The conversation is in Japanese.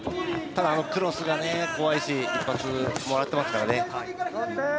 ただ、あのクロスが怖いし、１発もらってますからね。